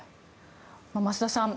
増田さん